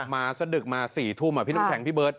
มาสักดึกมาสี่ทุ่มอ่ะพี่น้องแข็งพี่เบิร์ต